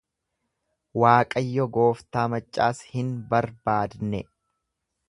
Waaqayyo gooftaa maccaas hin barbaadne.